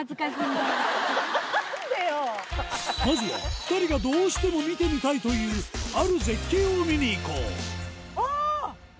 まずは２人がどうしても見てみたいというある絶景を見に行こうあぁ！